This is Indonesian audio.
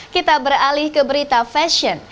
kita beralih ke berita fashion